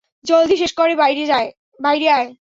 জলদি শেষ করে, বাইরে আয়।